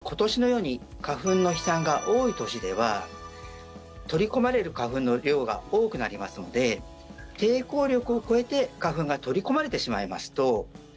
例えば、今年のように花粉の飛散が多い年では取り込まれる花粉の量が多くなりますので抵抗力を超えて、花粉が取り込まれてしまいますと。